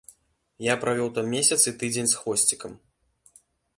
Я правёў там месяц і тыдзень з хвосцікам.